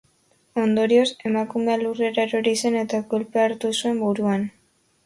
Ondorioz, emakumea lurrera erori zen eta kolpea hartu zuen buruan.